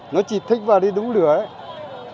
nó chỉ thích vào đi đúng lửa ấy